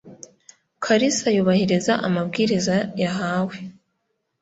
karisa yubahiriza amabwiriza yahawe.